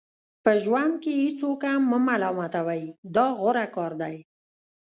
په ژوند کې هیڅوک هم مه ملامتوئ دا غوره کار دی.